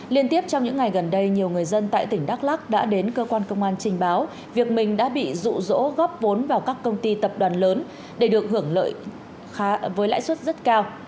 liên tiếp trong những ngày gần đây nhiều người dân tại tỉnh đắk lắc đã đến cơ quan công an trình báo việc mình đã bị rụ rỗ góp vốn vào các công ty tập đoàn lớn để được hưởng lợi với lãi suất rất cao